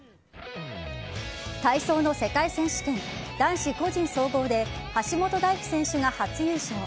体操の世界選手権男子個人総合で橋本大輝選手が初優勝。